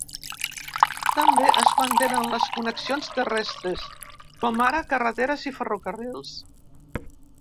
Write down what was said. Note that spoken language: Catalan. També es mantenen les connexions terrestres, com ara carreteres i ferrocarrils.